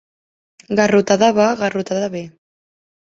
Garrotada va, garrotada ve!